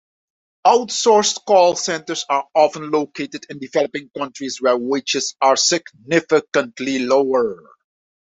Outsourced call centres are often located in developing countries, where wages are significantly lower.